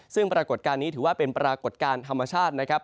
ซึ่งปรากฏการณ์นี้ถือว่าเป็นปรากฏการณ์ธรรมชาตินะครับ